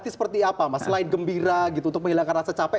selain gembira gitu untuk menghilangkan rasa capek